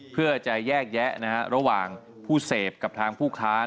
เพื่อจะแยกแยะระหว่างผู้เสพกับทางผู้ค้า